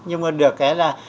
nhưng mà được cái là